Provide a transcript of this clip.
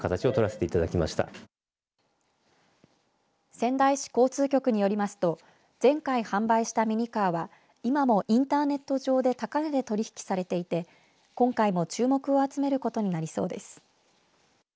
仙台市交通局によりますと前回販売したミニカーは今もインターネット上で高値で取り引きされていて今回も注目を集めることになりそうです。